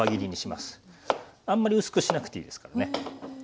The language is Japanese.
あんまり薄くしなくていいですからね。